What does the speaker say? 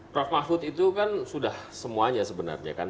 prof mahfud itu kan sudah semuanya sebenarnya kan